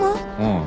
ああ。